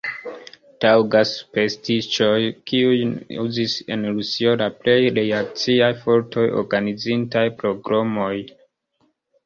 Taŭgas superstiĉoj, kiujn uzis en Rusio la plej reakciaj fortoj, organizintaj pogromojn.